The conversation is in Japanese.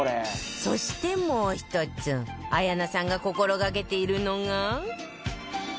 そしてもう１つ綾菜さんが心がけているのが